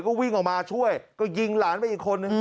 ก็วิ่งออกมาช่วยก็ยิงหลานไปอีกคนนึง